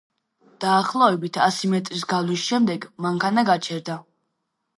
დაახლოებით ასი მეტრის გავლის შემდეგ, მანქანა გაჩერდა.